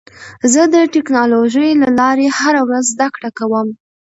زه د ټکنالوژۍ له لارې هره ورځ زده کړه کوم.